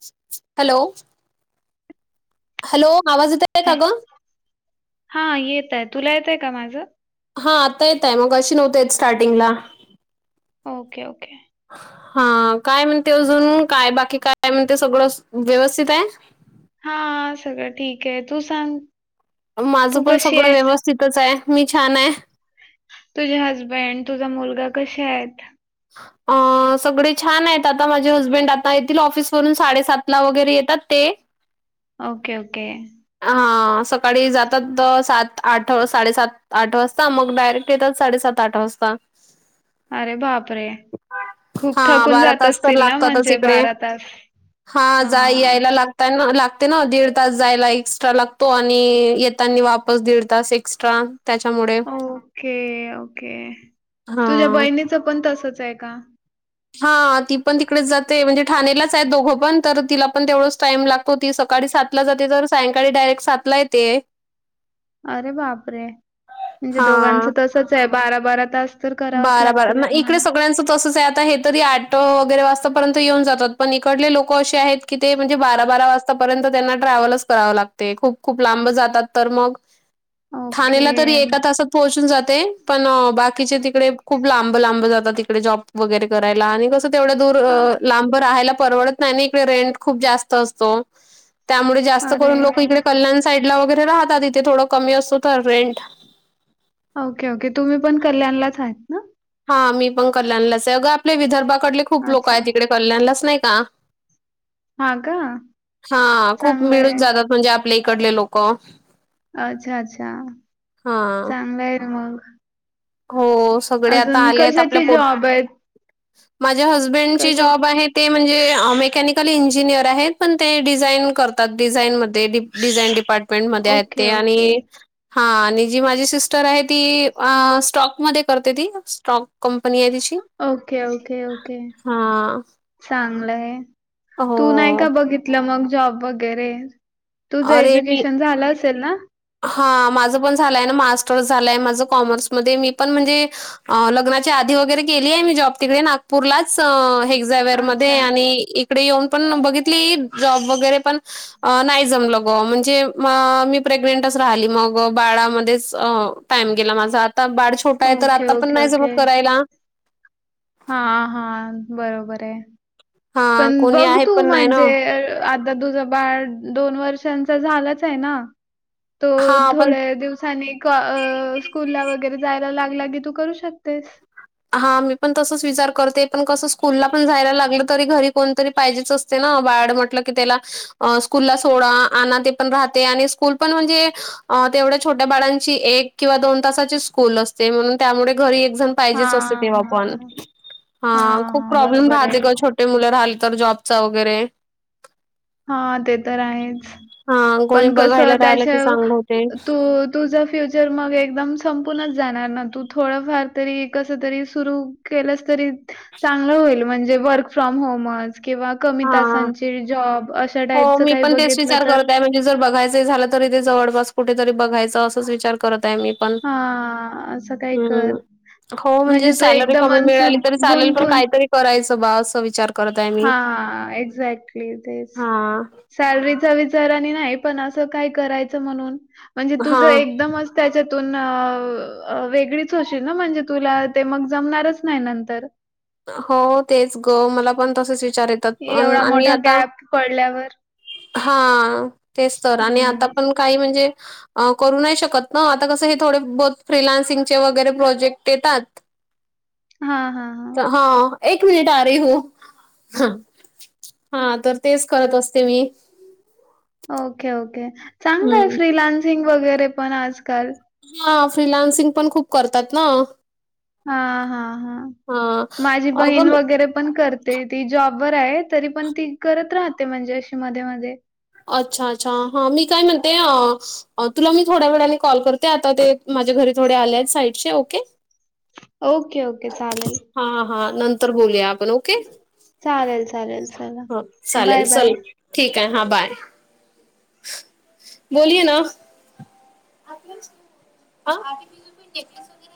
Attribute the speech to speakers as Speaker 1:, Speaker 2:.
Speaker 1: [inaudible] Hello. Hello, आवाज येतय का,
Speaker 2: हाय.
Speaker 1: गं?
Speaker 2: हा, येतय. तुला येतय का, माझं?
Speaker 1: हा, आता येतय. मगाशी नव्हत येत, स्टार्टिंगला.
Speaker 2: Okay- okay.
Speaker 1: हा, काय म्हणते अजून? काय बाकी, काय म्हणते? सगळं व्यवस्थितय?
Speaker 2: हा, सगळं ठीकय. तू सांग.
Speaker 1: माझं
Speaker 2: तू
Speaker 1: पण
Speaker 2: कशी
Speaker 1: सगळं,
Speaker 2: आहेस
Speaker 1: व्यवस्थितचय. मी छानय.
Speaker 2: तुझे हजबंड, तुझा मुलगा, कसेयात.
Speaker 1: अ सगळे छानयत. आता माझे हजबेंड, आता येतील ऑफिसवरुन, साडेसातला वगैरे येतात ते. [inaudible]
Speaker 2: Okay -okay.
Speaker 1: हा, सकाळी जातात. सात- आठ, साडेसात - आठ वाजता. मग डायरेक्ट येतात. साडेसात- आठ वाजता.
Speaker 2: अरे बापरे खूप
Speaker 1: हा
Speaker 2: थकून
Speaker 1: बारा
Speaker 2: जात
Speaker 1: तास तर
Speaker 2: असतील ना
Speaker 1: लागतातच
Speaker 2: म्हणजे
Speaker 1: इकडे
Speaker 2: बारा तास
Speaker 1: हा जाय यायला लाग त्यांना लागते ना दीड तास जायला एक्स्ट्रा लागतो आणि येतानी वापस दीड तास एक्स्ट्रा त्याच्यामुळे
Speaker 2: ओके ओके तुझ्या
Speaker 1: हां.
Speaker 2: बहिणीचं पण तसच आहे का
Speaker 1: हा ती पण तिकडेच जाते. म्हणजे ठाणेलाच आहेच दोघं पण तर तिला पण तेवढंच टाइम लागतो. हो ती सकाळी सातला जाते तर सायंकाळी डायरेक्ट सात ला येते.
Speaker 2: अरे बापरे म्हणजे दोघांचं तसच आहे बारा बारा तास. तर करावंच
Speaker 1: बारा बारा
Speaker 2: लागतं
Speaker 1: मग
Speaker 2: त्यांना
Speaker 1: इकडे सगळ्यांचं तसच आहे. आता हे. तरी आठ वगैरे वाजतापर्यंत येऊन जातात. पण इकडले लोक असे आहेत की ते म्हणजे बारा बारा वाजता. आपर्यंत त्यांना ट्रॅव्हलच करावे लागते. खूप खूप लांब जातात तर मग ठाणेला तरी
Speaker 2: ओके
Speaker 1: एका तासात पोहोचून जाते. पण बाकीचे तीक कडे खूप लांब, लांब जातात तिकडे जॉब वगैरे करायला आणि कसं तेवढं दूर लांब राहायला परवडत नाही. इकडे रेंट खूप जास्त असतो. त्यामुळे जास्त
Speaker 2: अरे
Speaker 1: करून लोक इकडे कल्याण साईड ला वगैरे राहतात इथे थोडं कमी असतो तर रेंट.
Speaker 2: ओके ओके तुम्ही पण कल्याणलाच आहेत ना.
Speaker 1: हा मी पण कल्याणलाच आहे. अगं आपले विदर्भाकडले खूप लोक
Speaker 2: अच्छा
Speaker 1: आहेत तिकडे. कल्याणलाच नाही का
Speaker 2: हा का
Speaker 1: हा खूप मिळून
Speaker 2: चांगलंय
Speaker 1: जातात म्हणजे आप आपले इकडले लोक.
Speaker 2: अच्छा अच्छा
Speaker 1: हा.
Speaker 2: चांगलं आहे ना मग.
Speaker 1: हो सगळे आता
Speaker 2: अजून
Speaker 1: आले आहेत. आपल्या
Speaker 2: कशाचे
Speaker 1: पोट
Speaker 2: जॉब आहेत
Speaker 1: माझ्या हजबेंडची
Speaker 2: कशा
Speaker 1: जॉब आहेत. ते म्हणजे मेकॅनिकल इंजिनियर आहेत. पण ते डिझाईन करतात डिझाईनमध्ये डिझाईन डिपार्टमें मेंट मध्ये आहेत
Speaker 2: ओके
Speaker 1: ते आणि.
Speaker 2: ओके
Speaker 1: हा आणि जी माझी सिस्टर आहे. ती स्टॉकमध्ये करते ती स्टॉक. कंपनी आहे तिची.
Speaker 2: ओके ओके ओके
Speaker 1: हां.
Speaker 2: चांगलंय. तू नाही का
Speaker 1: हो.
Speaker 2: बघितलं मग जॉब वगैरे, तुझं एज्युकेशन झालं असेल ना.
Speaker 1: हा माझं पण झालंय ना मास्टर्स झालाय माझं कॉमर्समध्येध्ये मी पण म्हणजे. लग्नाच्या आधी वगैरे केली आहे मी जॉब तिकडे नागपूरलाच. जेवेअर
Speaker 2: अच्छा
Speaker 1: मध्ये इकडे येऊन बागितली जॉब वगैरे पण नाही. जमलं बुआ म्हणजे म मी प्रेग्नेंटच राहिली मग बाळामध्येच. टाइम गेला माझा आता बाळ छोटा आहे तर
Speaker 2: ओके
Speaker 1: आता पण
Speaker 2: ओके
Speaker 1: नाही जमग
Speaker 2: ओके
Speaker 1: करायला.
Speaker 2: हा हा बरोबर आहे.
Speaker 1: हां,
Speaker 2: पण
Speaker 1: कोणी
Speaker 2: बघ
Speaker 1: आहे
Speaker 2: तू
Speaker 1: पण नाही ना.
Speaker 2: म्हणजे आता तुझं बाळ दोन वर्षांचा झालाच आहे ना. तो
Speaker 1: हां, पण
Speaker 2: थोड्या दिवसानी स्कूल ला वगैरे जायला लागला की तू करू शकतेस.
Speaker 1: हा मी पण तसच विचार करते पण कसं स्कूलला पण जायला लागलं तरी घरी कोणतरी पाहिजेच. ते ना बाळ म्हटलं की त्याला स्कूलला सोडा आणा ते पण राहते आणि स्कूल पण म्हणजे. तेवढ्या छोट्या बाळांची एक किंवा दोन तासाची स्कूल असते म्हणून त्यामुळे घरी एकजण. हेच असते
Speaker 2: हां,
Speaker 1: तेव्हा पण
Speaker 2: हां.
Speaker 1: हा
Speaker 2: हां,
Speaker 1: खूप
Speaker 2: हां.
Speaker 1: प्रोब्लेम
Speaker 2: बरोबर आहे.
Speaker 1: राहते गौ छोट्य छोटे मूले राहाल तर जॉब चा वगैरे.
Speaker 2: हा ते तर आहेच
Speaker 1: हा कोणी
Speaker 2: पण कसं
Speaker 1: बघायला राहिलं की
Speaker 2: त्याच्या
Speaker 1: चांगलं होते
Speaker 2: तू तुझं फ्युचर मग एकदम संपूनच जाणार ना तू थोडंफार तरी कस तरी सुरू केलस तरी चांगल होईल. म्हणजे वर्क फ्रॉम होम हम किंवा कमी
Speaker 1: हा
Speaker 2: तासांची जॉब अशा
Speaker 1: हो
Speaker 2: टाईमचं
Speaker 1: मी
Speaker 2: काही
Speaker 1: पण तेच
Speaker 2: बघितलं
Speaker 1: विचार
Speaker 2: तर.
Speaker 1: करत आहे म्हणजे जर बघायचं झालं तरी ते जवपास कुठेतरी बघायचं असंच विचार करत आहे मी. पण
Speaker 2: हा असं काय कर.
Speaker 1: हम्म हो म्हणजे
Speaker 2: तू
Speaker 1: सॅलरी कमी
Speaker 2: एकदमच
Speaker 1: मिळाली तरी चालेल पण
Speaker 2: गुंतून
Speaker 1: काहीतरी करायचं बा असं विचार. करत आहे मी.
Speaker 2: हा, एक्झॅक्टली तेच.
Speaker 1: हा.
Speaker 2: सॅलरीचा विचार आणि नाही पण असं काय करायचं म्हणून म्हणजे
Speaker 1: हा
Speaker 2: तुझं एकदम. त्याच्यातून वेगळीच होशील ना म्हणजे तुला ते मग जमणारच नाही नंतर.
Speaker 1: हो तेच ग मला पण तसेच विचारच.
Speaker 2: एवढा मोठा गॅप पडल्यावर
Speaker 1: हा तेच तर आणि
Speaker 2: हं.
Speaker 1: आता पण काही म्हणजे करू नाही शकत ना आता कसं हे थोडे बत फ्रिलान्सिंगचे वगैरे प्रोजेक्ट येतात
Speaker 2: हा हा हा.
Speaker 1: हा एक मिनिट आरे हो. हा तर तेच करत असते मी
Speaker 2: ओके ओके चांगलं आहे
Speaker 1: हम्म
Speaker 2: फ्रीलान्सिंग वगैरे पण आजकाल
Speaker 1: हा फ्रिलान्सिंग पण खूप करतात ना
Speaker 2: हा हा हा
Speaker 1: हा
Speaker 2: माझी
Speaker 1: अगं
Speaker 2: बहीण वगैरे पण करते. ते ती जॉबवरर आहे तरी पण ती करत राहते म्हणजे अशी मध्ये मध्ये.
Speaker 1: अच्छा अच्छा हा मी काय म्हणते तुला मी थोड्या वेळाने कॉल करते आता ते माझ्या घरी थोडे आले आहेत साईड ओके
Speaker 2: ओके, ओके. चालेल.
Speaker 1: हा हा नंतर बोलूया आपण ओके.
Speaker 2: चालेल चालेल. चला
Speaker 1: हो चालेल
Speaker 2: बाय बाय.
Speaker 1: चल ठीक आहे हा बाय बोलय ना. आ आ पणस वगैरे